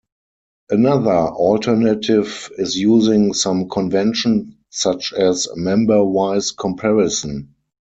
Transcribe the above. Another alternative is using some convention such as memberwise comparison.